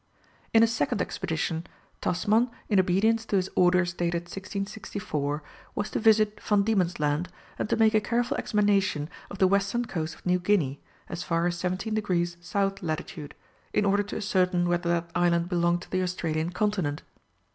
In a second expedition, Tasman, in obedience to his orders dated 1664, was to visit Van Diemen's Land, and to make a careful examination of the western coast of New Guinea, as far as 17 degrees south latitude, in order to ascertain whether that island belonged to the Australian Continent.